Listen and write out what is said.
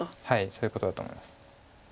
そういうことだと思います。